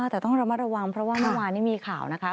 แต่ต้องระมัดระวังเพราะว่าเมื่อวานนี้มีข่าวนะคะ